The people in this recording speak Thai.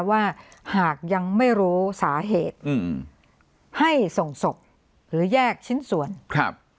ว่าหากยังไม่รู้สาเหตุอืมให้ส่งศพหรือแยกชิ้นส่วนครับ